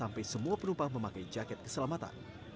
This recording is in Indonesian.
penumpang memakai jaket keselamatan